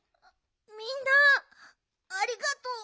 みんなありがとう。